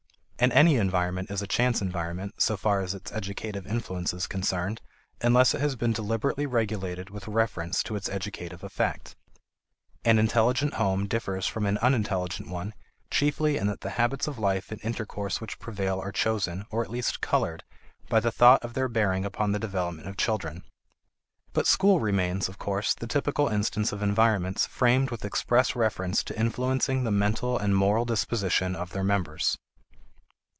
And any environment is a chance environment so far as its educative influence is concerned unless it has been deliberately regulated with reference to its educative effect. An intelligent home differs from an unintelligent one chiefly in that the habits of life and intercourse which prevail are chosen, or at least colored, by the thought of their bearing upon the development of children. But schools remain, of course, the typical instance of environments framed with express reference to influencing the mental and moral disposition of their members.